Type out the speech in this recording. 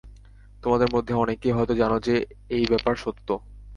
তোমাদের মধ্যে অনেকেই হয়তো জানো যে, এই ব্যাপার সত্য।